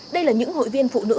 đây là những hội viên phụ nữ